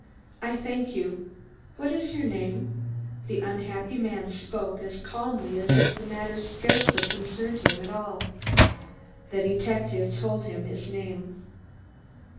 I thank you. What is your name?" The unhappy man spoke as calmly as if the matter scarcely concerned him at all. The detective told him his name.